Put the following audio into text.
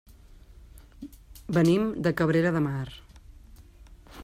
Venim de Cabrera de Mar.